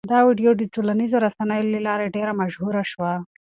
دا ویډیو د ټولنیزو رسنیو له لارې ډېره مشهوره شوه.